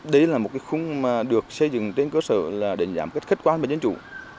đây là một cái khung mà được xây dựng trên cơ sở là đánh giá một cách khách quan về dân chủ